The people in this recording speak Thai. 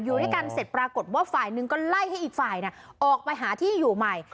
อยู่ด้วยกันเสร็จปรากฏว่าฝ่ายหนึ่งก็ไล่ให้อีกฝ่ายออกไปหาที่อยู่ใหม่